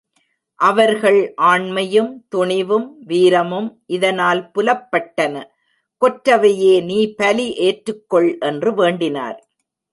அவர்கள் ஆண்மையும், துணிவும், வீரமும் இதனால் புலப்பட்டன கொற்றவையே நீ பலி ஏற்றுக் கொள் என்று வேண்டினர்.